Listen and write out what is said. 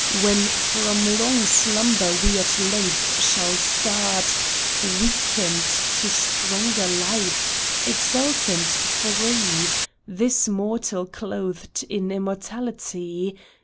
When from long slumber we at length shall start Wakened to stronger life, exultant, free. This mortal clothed in immortality.